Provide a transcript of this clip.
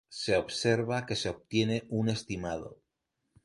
Se observa que se obtiene un estimado